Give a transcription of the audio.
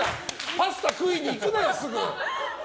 パスタ食いに行くなよ、すぐ。